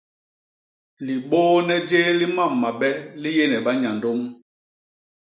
Libôône jéé li mam mabe li yéne banyandôm.